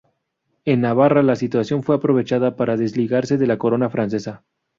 En Navarra la situación fue aprovechada para desligarse de la corona francesa.